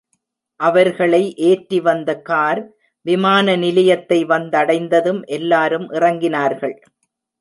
அவர்களை ஏற்றி வந்த கார் விமான நிலையத்தை வந்தடைந்ததும், எல்லாரும் இறங்கினார்கள்.